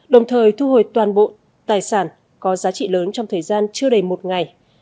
đồng thời thu hồi toàn bộ tài sản có giá trị lớn trong thời gian chưa đầy một ngày